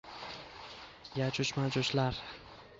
Yajuj-majujlar